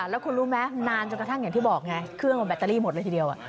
แล้วคุณรู้ไหมนานถึงกระทั่งแบตเตอรี่หมดเลยทีเดียว